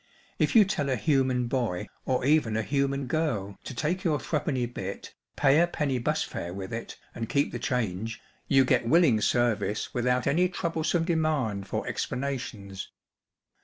If you tell a human boy or even a human girl to take your threepenny bit, pay a penny bus fare with it, and keep the change, you get willing service without any troublesome demand for explanations.